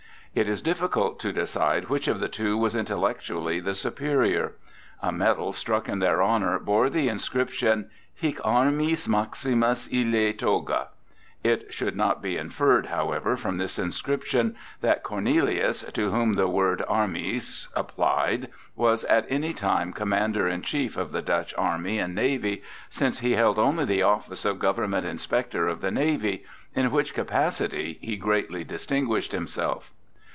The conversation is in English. It is difficult to decide which of the two was intellectually the superior. A medal struck in their honor bore the inscription, "Hic armis maximus, ille toga." It should not be inferred, however, from this inscription, that Cornelius, to whom the word "armis" applied, was at any time commander in chief of the Dutch army and navy, since he held only the office of government inspector of the navy, in which capacity he greatly distinguished himself.